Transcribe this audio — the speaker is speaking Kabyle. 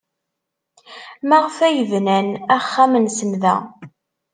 Maɣef ay bnan axxam-nsen da?